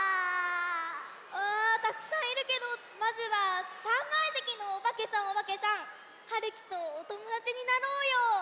あたくさんいるけどまずは３がいせきのおばけさんおばけさん！はるきとおともだちになろうよ。